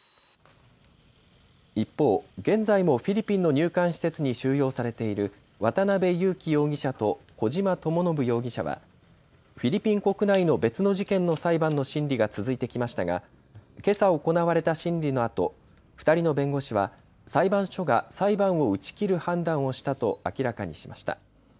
一方、現在もフィリピンの入管施設に収容されている渡邉優樹容疑者と小島智信容疑者はフィリピン国内の別の事件の裁判の審理が続いてきましたがけさ行われた審理のあと２人の弁護士は裁判所が裁判を打ち切る判断をしたと明らかにしました。